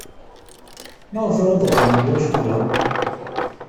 Maɣef ara d-ɣren deg wakud-a?